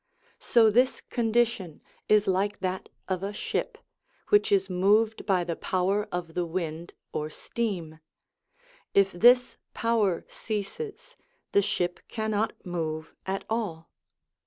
So this condition is like that of a ship, which is moved by the power of the wind or steam ; if this power ceases, the ship cannot move at all.